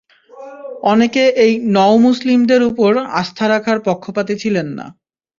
অনেকে এই নও মুসলিমদের উপর আস্থা রাখার পক্ষপাতী ছিলেন না।